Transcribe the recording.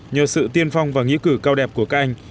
nhờ sự tiên phong và nghĩa cử cao đẹp của các anh